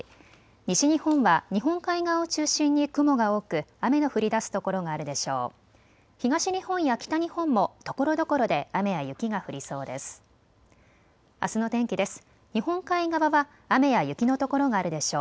西日本は日本海側を中心に雲が多く雨の降りだすところがあるでしょう。